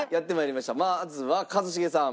まずは一茂さん。